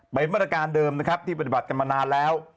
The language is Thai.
เป็นมาตรการเดิมนะครับที่ปฏิบัติกันมานานแล้ว